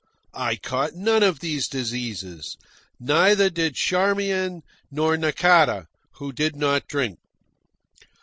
I caught none of these diseases. Neither did Charmian nor Nakata who did not drink.